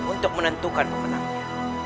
untuk menentukan pemenangnya